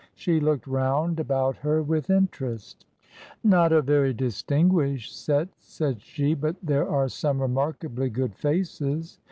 She looked round about her with interest. E 5^ 9 98 TRANSITION. " Not a very distinguished set/' said she ;" but there are some remarkably good faces."